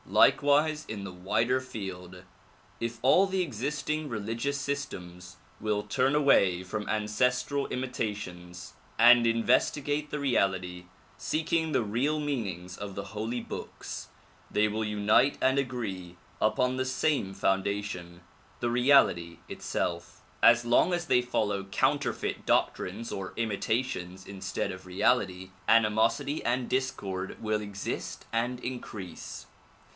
Likewise in the wider field, if all the existing religious systems will turn away from ancestral imitations and investigate the reality, seeking the real meanings of the holy books, they will unite and agree upon the same founda tion, the reality itself. As long as they follow counterfeit doctrines or imitations instead of reality, animosity and discord will exist and increase.